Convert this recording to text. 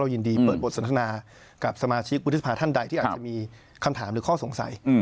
ยินดีเปิดบทสนทนากับสมาชิกวุฒิสภาท่านใดที่อาจจะมีคำถามหรือข้อสงสัย